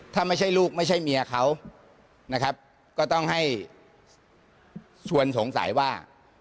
ถ้าไม่ใช่ลูกไม่ใช่เมียเขานะครับก็ต้องให้ชวนสงสัยว่า